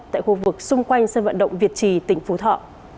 tại khu vực xung quanh sân vận động việt trì tỉnh phú thọ